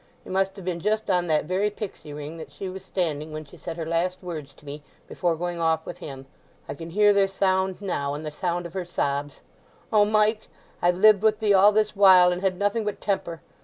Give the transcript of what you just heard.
It must have been just on that very pixy ring that she was standing when she said her last words to me before going off with him; I can hear their sound now, and the sound of her sobs: 'O Mike! I've lived with thee all this while, and had nothing but temper.